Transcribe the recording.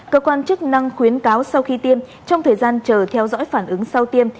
cơ quan chức năng khuyến cáo sau khi tiêm trong thời gian chờ theo dõi phản ứng sau tiêm